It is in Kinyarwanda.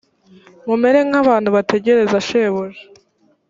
mumere nk abantu bategereza shebuja